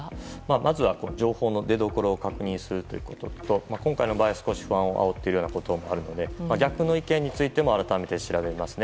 まずは情報の出どころを確認するということと今回の場合、少し不安をあおっているようなこともあるので逆の意見についても改めて調べますね。